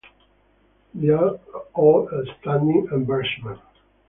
They're all a standing embarrassment.